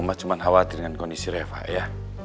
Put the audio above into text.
cuma khawatir dengan kondisi reva ya